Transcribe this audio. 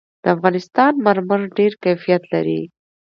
د افغانستان مرمر ډېر کیفیت لري.